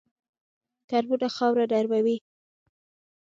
کرمونه خاوره نرموي